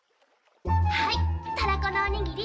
はいタラコのおにぎり。